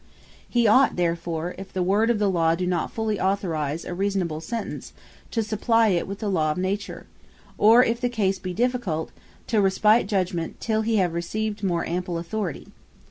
He ought therefore, if the Word of the Law doe not fully authorise a reasonable Sentence, to supply it with the Law of Nature; or if the case be difficult, to respit Judgement till he have received more ample authority.